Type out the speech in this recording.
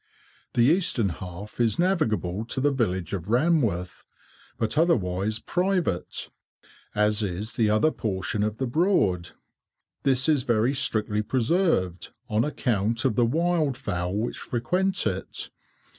The eastern half is navigable to the village of Ranworth, but otherwise private, as is the other portion of the Broad. This is very strictly preserved, on account of the wild fowl which frequent it.